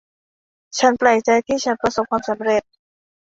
ฉันแปลกใจที่ฉันประสบความสำเร็จ